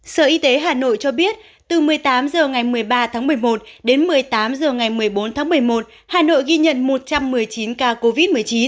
sở y tế hà nội cho biết từ một mươi tám h ngày một mươi ba tháng một mươi một đến một mươi tám h ngày một mươi bốn tháng một mươi một hà nội ghi nhận một trăm một mươi chín ca covid một mươi chín